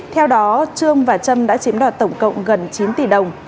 theo đó trương và trâm đã chiếm đoạt tổng cộng gần chín tỷ đồng